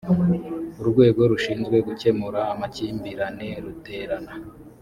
urwego rushinzwe gukemura amakimbirane ruterana